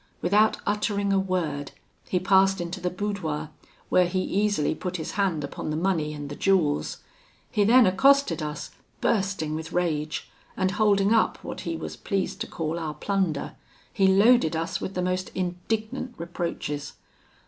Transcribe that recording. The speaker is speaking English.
Without uttering a word, he passed into the boudoir, where he easily put his hand upon the money and the jewels. He then accosted us, bursting with rage; and holding up what he was pleased to call our plunder, he loaded us with the most indignant reproaches.